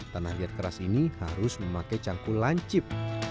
tanah liat keras ini harus memakai cangkul lancip